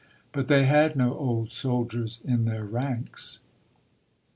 "But they had no old soldiers in their ranks."